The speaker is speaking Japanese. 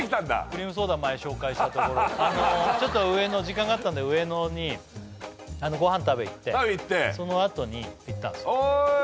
クリームソーダ前紹介したところちょっと時間があったんで上野にごはん食べいってそのあとに行ったんすよへえ